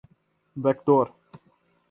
backdoor